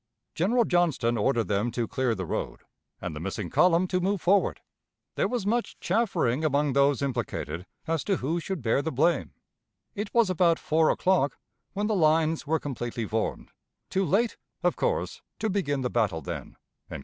General Johnston ordered them to clear the road, and the missing column to move forward. There was much chaffering among those implicated as to who should bear the blame. ... It was about four o'clock when the lines were completely formed too late, of course, to begin the battle then."